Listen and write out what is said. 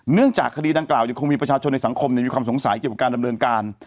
เนื่องจากคดีดังกล่ายังคงมีประชาชนในสังคมมีความสงสัยเกี่ยวกับการดำเนินการ